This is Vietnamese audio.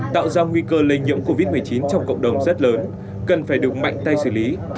tạo ra nguy cơ lây nhiễm covid một mươi chín trong cộng đồng rất lớn cần phải được mạnh tay xử lý